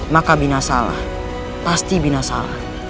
maka bina salah pasti bina salah